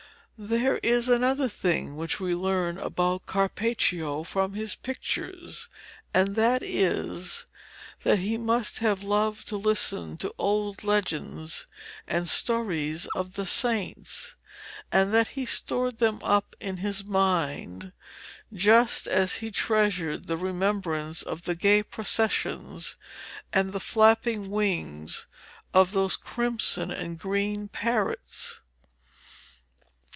There is another thing which we learn about Carpaccio from his pictures, and that is, that he must have loved to listen to old legends and stories of the saints, and that he stored them up in his mind, just as he treasured the remembrance of the gay processions and the flapping wings of those crimson and green parrots.